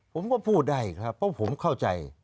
ผมก็พูดได้ครับเพราะผมเข้าใจ